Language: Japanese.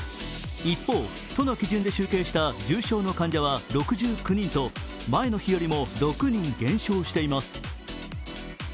一方、都の基準で集計した重症の患者は６９人と前の日よりも６人減少しています。